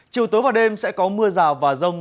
chiều tối và đêm sẽ có mưa rào và rông